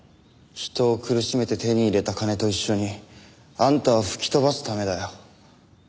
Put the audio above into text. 人を苦しめて手に入れた金と一緒にあんたを吹き飛ばすためだよ。